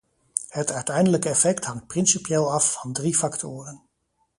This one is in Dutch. Het uiteindelijke effect hangt principieel af van drie factoren.